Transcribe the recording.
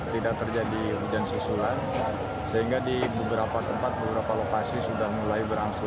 tidak terjadi hujan susulan sehingga di beberapa tempat beberapa lokasi sudah mulai berangsur